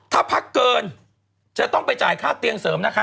ถ้าพักเกินจะต้องไปจ่ายค่าเตียงเสริมนะคะ